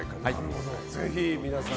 ぜひ皆さん